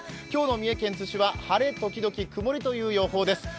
今日の三重県津市は、晴れ時々曇りという予報です。